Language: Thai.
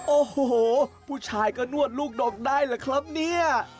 โอ้โหผู้ชายก็นวดลูกดกได้แหละครับเนี่ย